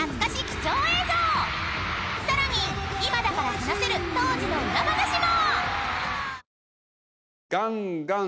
［さらに今だから話せる当時の裏話も］